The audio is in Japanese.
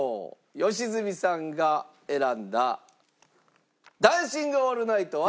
良純さんが選んだ『ダンシング・オールナイト』は。